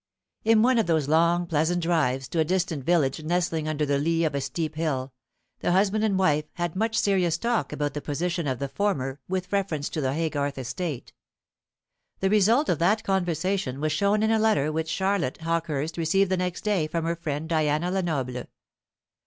In one of those long pleasant drives to a distant village nestling under the lee of a steep hill, the husband and wife had much serious talk about the position of the former with reference to the Haygarth estate. The result of that conversation was shown in a letter which Charlotte Hawkehurst received the next day from her friend Diana Lenoble.